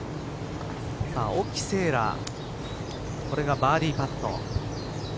沖せいらこれがバーディーパット。